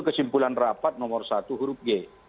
kesimpulan rapat nomor satu huruf g